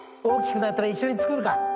大きくなったら一緒に作るか。